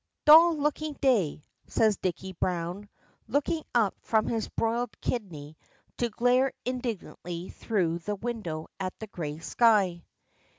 "Dull looking day," says Dicky Browne, looking up from his broiled kidney to glare indignantly through the window at the gray sky.